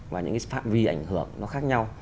và những cái phạm vi ảnh hưởng nó khác nhau